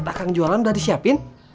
buat akang jualan udah disiapin